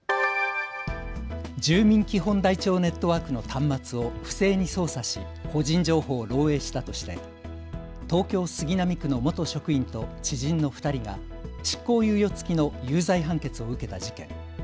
住民基本台帳ネットワークの端末を不正に操作し個人情報を漏えいしたとして東京杉並区の元職員と知人の２人が執行猶予付きの有罪判決を受けた事件。